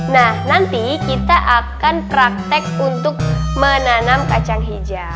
nah nanti kita akan praktek untuk menanam kacang hijau